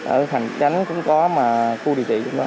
ở thành tránh cũng có mà khu địa chỉ